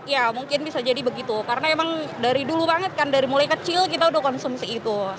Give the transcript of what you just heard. ya mungkin bisa jadi begitu karena emang dari dulu banget kan dari mulai kecil kita udah konsumsi itu